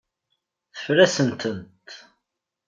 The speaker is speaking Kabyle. Teffer-asent-tent.